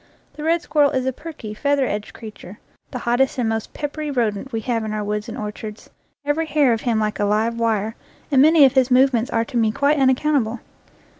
The red squirrel is a perky, feather edged creature, the hot test and most peppery rodent we have in our woods and orchards, every hair of him like a live wire, and many of his movements are to me quite unac countable.